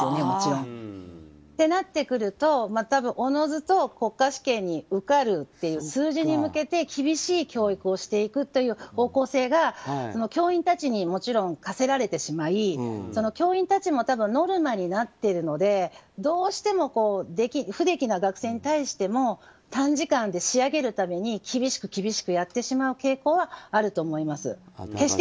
そうなってくるとおのずと国家試験に受かるという数字に向けて厳しい教育をしていくという方向性が教員たちにもちろん課せられてしまい教員たちもノルマになっているのでどうしても不出来な学生に対しても短時間で仕上げるために厳しくやってしまう傾向はあると思いますね。